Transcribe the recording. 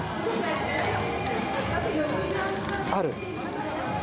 ある？